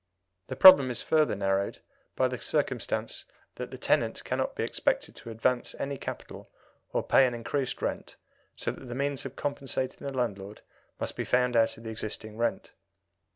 The problem is further narrowed by the circumstance that the tenant cannot be expected to advance any capital or pay an increased rent, so that the means of compensating the landlord must be found out of the existing rent.